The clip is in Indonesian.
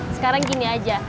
sekarang gini aja